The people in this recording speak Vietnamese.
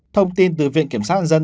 thông tin từ viện kiểm soát an dân